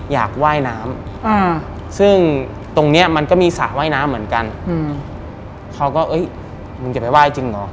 อยากว่ายน้ำซึ่งตรงเนี้ยมันก็มีสระว่ายน้ำเหมือนกันเขาก็เอ้ยมึงจะไปไห้จริงเหรอ